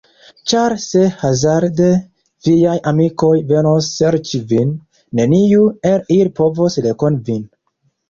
Ĉar se hazarde viaj amikoj venos serĉi vin, neniu el ili povos rekoni vin.